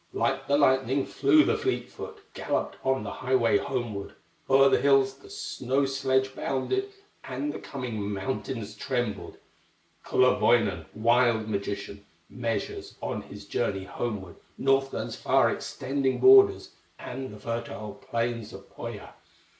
Like the lightning flew the fleet foot, Galloped on the highway homeward; O'er the hills the snow sledge bounded, And the coming mountains trembled. Kullerwoinen, wild magician, Measures, on his journey homeward, Northland's far extending borders, And the fertile plains of Pohya.